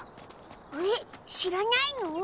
えっ知らないの？